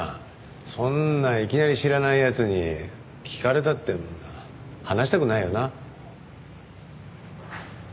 そんないきなり知らない奴に聞かれたって話したくないよな。